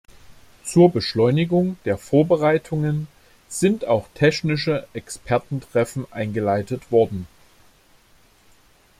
Zur Beschleunigung der Vorbereitungen sind auch technische Expertentreffen eingeleitet worden.